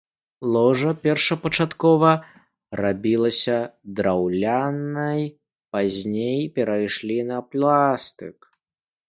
Ложа першапачаткова рабілася драўлянай, пазней перайшлі на пластык.